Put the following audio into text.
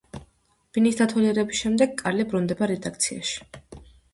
ბინის დათვალიერების შემდეგ, კარლი ბრუნდება რედაქციაში.